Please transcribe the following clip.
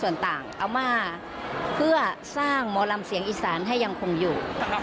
เอามาเพื่อสร้างหมอลำเสียงอีทธานให้ยังคงอยู่